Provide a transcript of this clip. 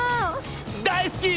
大好き！